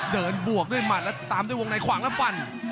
บวกด้วยหมัดแล้วตามด้วยวงในขวางแล้วฟัน